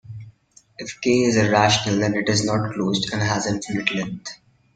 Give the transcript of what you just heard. If "k" is irrational, then it is not closed and has infinite length.